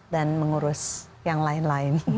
dan mengurus yang lain lain